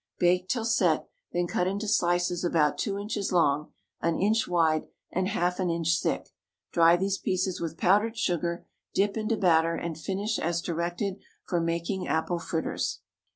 Bake till set, then cut into slices about two inches long, an inch wide, and half an inch thick; dry these pieces with powdered sugar, dip into batter, and finish as directed for making apple fritters.